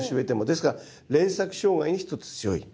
ですから連作障害に一つ強い。